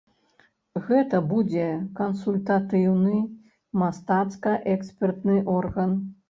Гэта будзе кансультатыўны мастацка-экспертны орган.